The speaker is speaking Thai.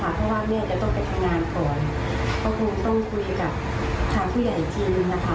เพราะว่าเนี่ยจะต้องไปทำงานก่อนก็คงต้องคุยกับทางผู้ใหญ่อีกทีนึงนะคะ